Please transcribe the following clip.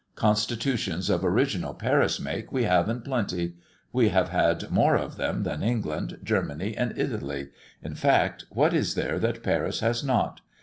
Constitutions of original Paris make we have in plenty. We have had more of them than England, Germany, and Italy in fact, what is there that Paris has not?